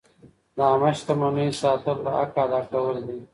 د عامه شتمنیو ساتل د حق ادا کول دي.